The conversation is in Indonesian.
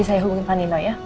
ikut bekerja lalu